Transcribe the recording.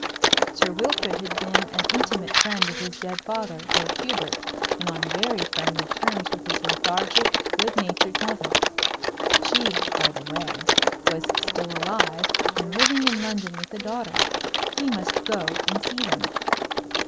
Sir Wilfrid had been an intimate friend of his dead father, Lord Hubert, and on very friendly terms with his lethargic, good natured mother. She, by the way, was still alive, and living in London with a daughter. He must go and see them.